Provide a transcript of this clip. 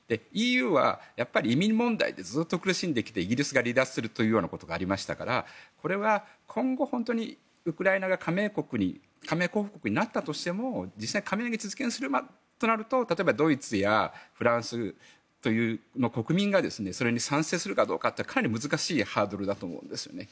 ＥＵはやっぱり移民問題でずっと苦しんできていてイギリスが離脱するというようなことがありましたからこれは今後、本当にウクライナが加盟候補国になったとしても実際に加盟が実現するとなると例えば、ドイツやフランスの国民がそれに賛成するかどうかってかなり難しいハードルだと思うんですよね。